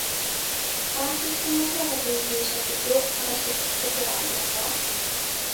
アーティストの方が言及した曲を探して聞くことはありますわ